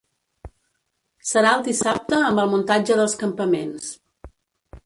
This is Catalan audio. Serà el dissabte amb el muntatge dels campaments.